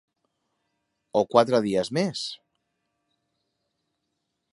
O quatre dies més??